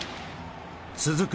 続く